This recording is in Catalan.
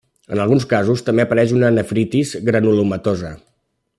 En alguns casos, també apareix una nefritis granulomatosa.